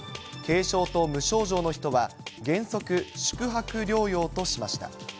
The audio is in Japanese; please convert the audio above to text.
軽症と無症状の人は原則、宿泊療養としました。